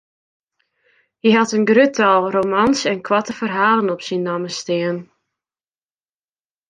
Hy hat in grut tal romans en koarte ferhalen op syn namme stean.